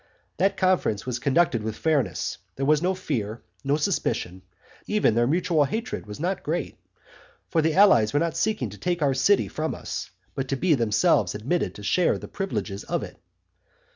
That conference was conducted with fairness; there was no fear, no suspicion; even their mutual hatred was not great; for the allies were not seeking to take our city from us, but to be themselves admitted to share the privileges of it.